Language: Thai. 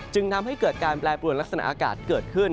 จึงทำให้เกิดการแปรปรวนลักษณะอากาศเกิดขึ้น